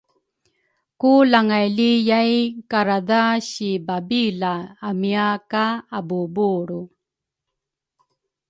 Ku langay li yai karadha si babila amia ka abuubulru